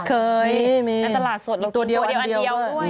ไม่เคยนั้นตลาดสดเราติดตัวเดียวอันเดียวด้วย